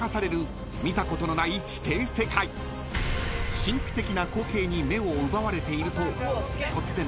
［神秘的な光景に目を奪われていると］